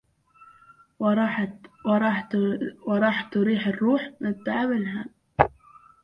وراح تريح الروح من تعب الهم